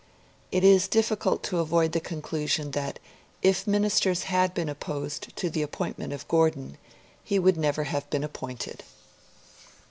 It is difficult to avoid the conclusion that if Ministers had been opposed to the appointment of Gordon, he would never have been appointed.